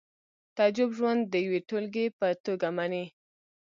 تعجب ژوند د یوې ټولګې په توګه مني